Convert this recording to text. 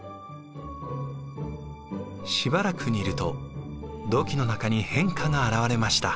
しばらく煮ると土器の中に変化が表れました。